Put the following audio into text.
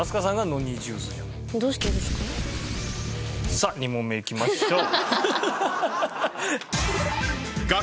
さあ２問目いきましょう。